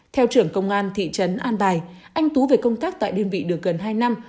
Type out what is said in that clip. theo trưởng công an thị trấn an bài anh tú về công tác tại đơn vị được gần hai năm